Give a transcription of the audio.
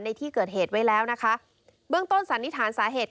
ในที่เกิดเหตุไว้แล้วนะคะเบื้องต้นสันนิษฐานสาเหตุ